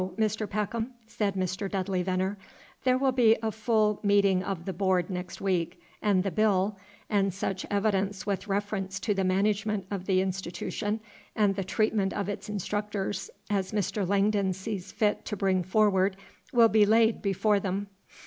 Mr. Peckham," said Mr. Dudley Venner, "there will be a full meeting of the Board next week, and the bill, and such evidence with reference to the management of the Institution and the treatment of its instructors as Mr. Langdon sees fit to bring forward will be laid before them."